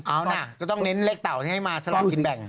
เอานะก็ต้องเน้นเลขเต่าที่ให้มาสลักกินแบ่ง